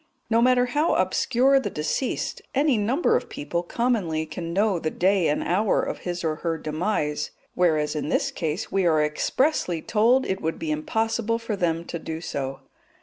No matter how obscure the deceased, any number of people commonly can know the day and hour of his or her demise, whereas in this case we are expressly told it would be impossible for them to do so.